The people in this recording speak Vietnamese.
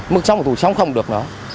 mức sống mà tụi tui sống không được nữa